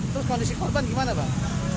terus kondisi korban gimana bang